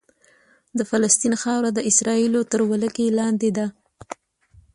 د فلسطین خاوره د اسرائیلو تر ولکې لاندې ده.